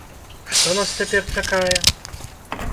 Што нас цяпер чакае?